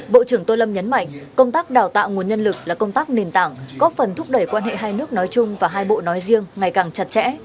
bộ trưởng tô lâm nhấn mạnh công tác đào tạo nguồn nhân lực là công tác nền tảng có phần thúc đẩy quan hệ hai nước nói chung và hai bộ nói riêng ngày càng chặt chẽ